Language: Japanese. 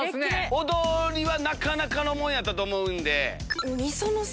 踊りはなかなかのもんやったと思う。